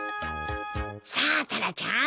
さあタラちゃん